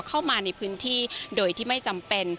เข้ามาในพื้นที่โดยที่ไม่จำเป็น